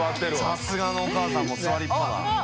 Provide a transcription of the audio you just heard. さすがのお母さんも座りっぱなしだ。）